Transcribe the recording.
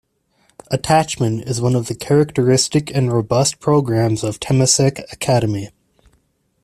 Attachment is one of the characteristic and robust programmes of Temasek Academy.